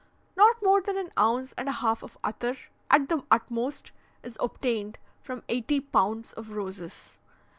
Not more than an ounce and a half of attar, at the utmost, is obtained from eighty pounds of roses.